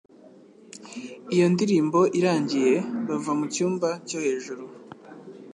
Iyo ndirimbo irangiye bava mu cyumba cyo hejuru,